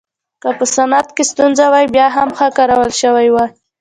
که په صنعت کې ستونزې وای بیا هم ښه کارول شوې وای.